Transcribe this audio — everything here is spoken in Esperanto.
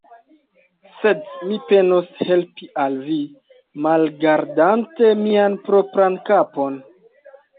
Sed mi penos helpi al vi, malgardante mian propran kapon.